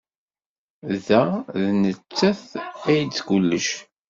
Da, d nettat ay d kullec.